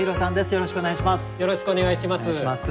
よろしくお願いします。